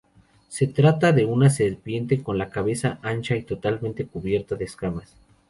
Se trata de una serpiente con la cabeza ancha y totalmente cubierta de escamas.